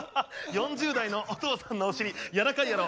４０代のお父さんのお尻やらかいやろ。